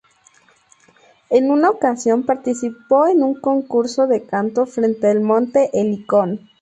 En una ocasión participó en un concurso de canto frente al monte Helicón.